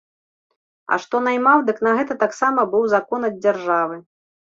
А што наймаў, дык на гэта таксама быў закон ад дзяржавы.